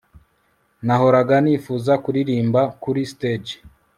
Nahoraga nifuza kuririmba kuri stage